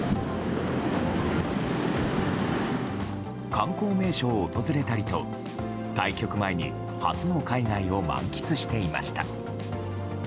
観光名所を訪れたりと対局前に初の海外を満喫していました。